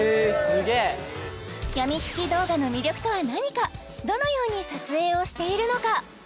やみつき動画の魅力とは何かどのように撮影をしているのか